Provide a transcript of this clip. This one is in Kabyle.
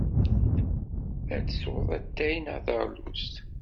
Ad teswed atay neɣ taɣlust?